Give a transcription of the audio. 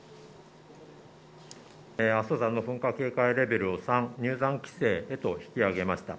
阿蘇山の噴火警戒レベルを３、入山規制へと引き上げました。